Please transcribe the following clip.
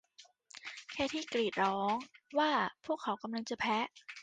เคธี่กรีดร้องว่าพวกเขากำลังจะแพ้